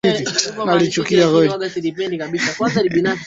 Miaka ishirini na miwili na nimekuwa bwenyenye